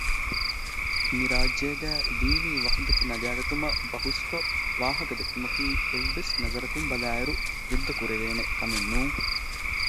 މި ރާއްޖޭގައި ދީނީ ވަޙުދަތު ނަގައިލުމަށް ބަހުސްކޮށް ވާހަކަދެއްކުމަކީ އެއްވެސް ނަޒަރަކުން ބަލާއިރު ހުއްދަކުރެވޭނެ ކަމެއް ނޫން